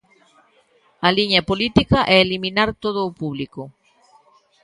A liña política é eliminar todo o público.